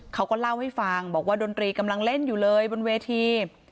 เขาก็เล่าให้ฟังบอกว่าดนตรีกำลังเล่นอยู่เลยบนเวที